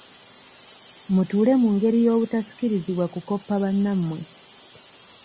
Mutuule mu ngeri y'obutasikirizibwa kukopa bannammwe.